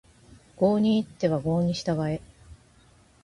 郷に入っては郷に従え